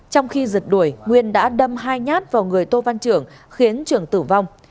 trong khi giật đuổi nguyên đã đâm hai nhát vào người tô văn trưởng khiến trường tử vong